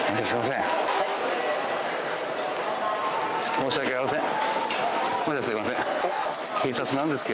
申し訳ありません。